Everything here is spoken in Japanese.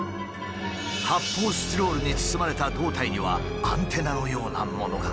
発泡スチロールに包まれた胴体にはアンテナのようなものが。